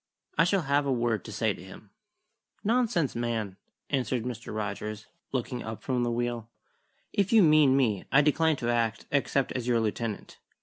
I shall have a word to say to him." "Nonsense, man!" answered Mr. Rogers, looking up from the wheel. "If you mean me, I decline to act except as your lieutenant.